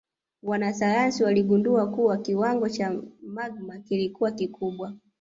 Wanasayansi waligundua kuwa kiwango cha magma kilikuwa kikubwa